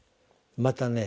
またね